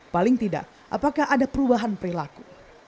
paling tidak apakah ada perubahan perilaku